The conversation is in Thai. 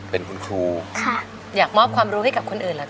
เป็นคุณครูค่ะอยากมอบความรู้ให้กับคนอื่นเหรอค